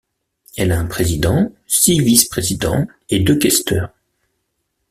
Elle a un président, six vice-présidents et deux questeurs.